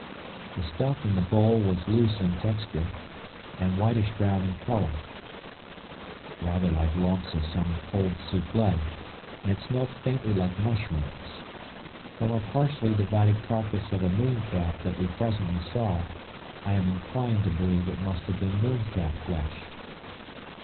The stuff in the bowl was loose in texture, and whitish brown in colour—rather like lumps of some cold souffle, and it smelt faintly like mushrooms. From a partially divided carcass of a mooncalf that we presently saw, I am inclined to believe it must have been mooncalf flesh.